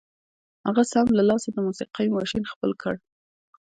هغه سم له لاسه د موسيقۍ ماشين خپل کړ.